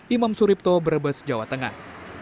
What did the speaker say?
imam suripto brebes jawa tengah